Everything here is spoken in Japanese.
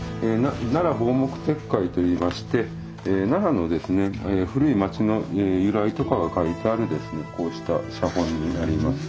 「奈良坊目拙解」といいまして奈良の古い町の由来とかが書いてあるこうした写本になります。